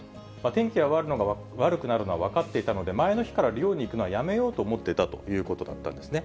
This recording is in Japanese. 天気が悪くなるのは分かっていたので、前の日から漁に行くのはやめようと思っていたということなんですね。